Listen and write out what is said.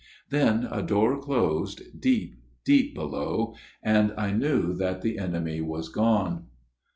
Then a door closed, deep, deep below ; and I knew that the enemy was gone.